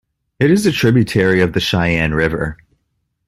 It is a tributary of the Cheyenne River.